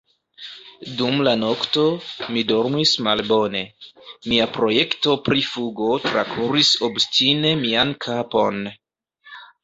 Dum la nokto, mi dormis malbone; mia projekto pri fugo trakuris obstine mian kapon.